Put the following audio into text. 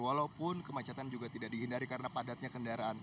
walaupun kemacetan juga tidak dihindari karena padatnya kendaraan